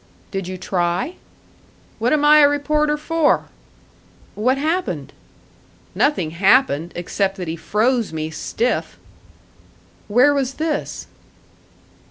"Did you try?" "What am I a reporter for?" "What happened?" "Nothing happened; except that he froze me stiff." "Where was this?"